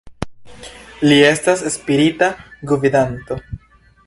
Li estas spirita gvidanto.